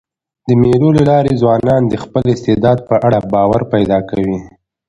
د مېلو له لاري ځوانان د خپل استعداد په اړه باور پیدا کوي.